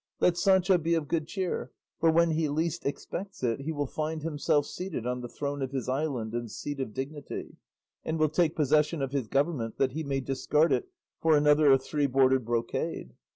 Let Sancho be of good cheer; for when he least expects it he will find himself seated on the throne of his island and seat of dignity, and will take possession of his government that he may discard it for another of three bordered brocade.